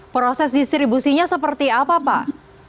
proses distribusinya seperti apa pak